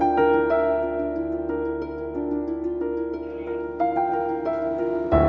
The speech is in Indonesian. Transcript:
kalau memang pada saat itu